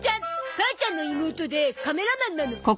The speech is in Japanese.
母ちゃんの妹でカメラマンなの。